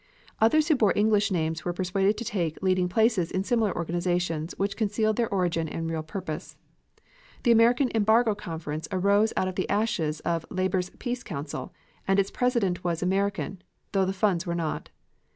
Others who bore English names were persuaded to take leading places in similar organizations which concealed their origin and real purpose. The American Embargo Conference arose out of the ashes of Labor's Peace Council, and its president was American, though the funds were not.